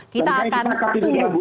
kita akan tunggu